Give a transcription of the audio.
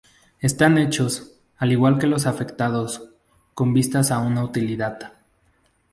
Están hechos, al igual que los artefactos, con vistas a una utilidad.